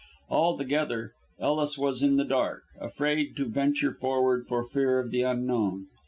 Altogether Ellis was in the dark, afraid to venture forward for fear of the unknown.